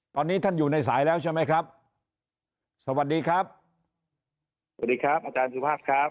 ตอนนี้ท่านอยู่ในสายแล้วใช่ไหมครับสวัสดีครับสวัสดีครับอาจารย์สุภาพครับ